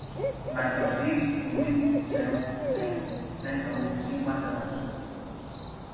Marca el sis, divuit, zero, tres, trenta-u, cinquanta-dos.